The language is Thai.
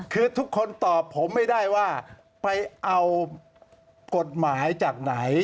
คือทุกคนตอบผมไม่ได้ว่าไปเอากฎหมายจากไหน